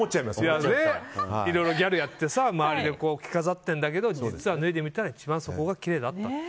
ギャルやって周りで着飾っているんだけど実は脱いでみたら一番そこがきれいだったと。